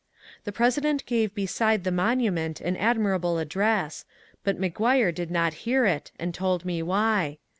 The President gave beside the monument an admirable address, but McGhiire did not hear it, and told me why.